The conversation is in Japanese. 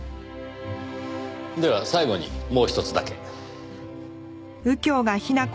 では最後にもうひとつだけ。